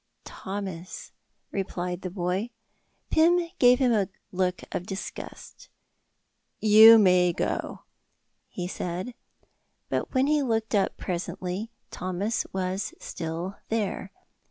"Thomas," replied the boy. Pym gave him a look of disgust "You may go," he said. But when he looked up presently, Thomas was still there.